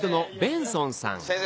先生！